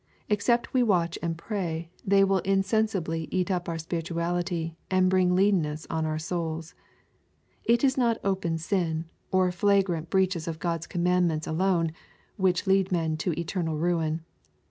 Except we watch and pray, they will Insensibly cat up our spirituality, and bring leanness on our souls. It is not open sin, or flagrant breaches of 17 i 386 . EXPOSITOBT THOUGHTS. God's commandments alone, which lead men to eterna. ruin.